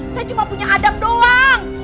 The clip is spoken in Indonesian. saya cuma punya adab doang